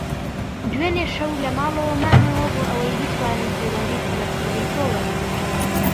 دوێنێ شەو لە ماڵەوە مامەوە بۆ ئەوەی بتوانم پەیوەندیی تەلەفۆنیی تۆ وەربگرم.